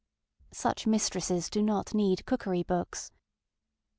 Such mistresses do not need cookery books.